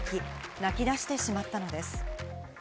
泣き出してしまったのです。